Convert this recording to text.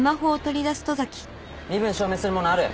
身分証明するものある？